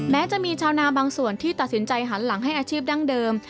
แม้จะมีชาวนาบางส่วนที่ตัดสินใจหันหลังให้อาชีพดั้งเดิม